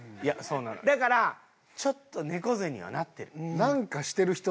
だからちょっと猫背にはなってるの。